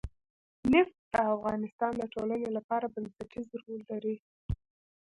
نفت د افغانستان د ټولنې لپاره بنسټيز رول لري.